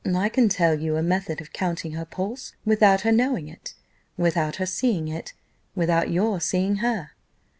"I can tell you a method of counting her pulse, without her knowing it, without her seeing you, without your seeing her."